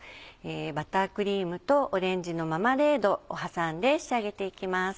バタークリームとオレンジのママレードを挟んで仕上げていきます。